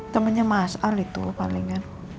temennya mas al itu palingan